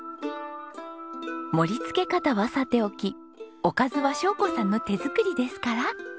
盛りつけ方はさておきおかずは晶子さんの手作りですから。